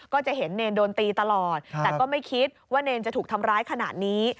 ก็จะเห็นเนรโดนตีตลอดแต่ก็ไม่คิดว่าเนรจะถูกทำร้ายขนาดนี้